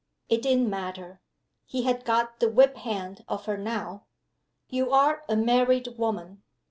It didn't matter; he had got the whip hand of her now. "You are a married woman."